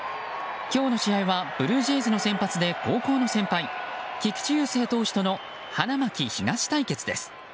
今日の試合はブルージェイズの先発で高校の先輩、菊池雄星投手との花巻東対決です。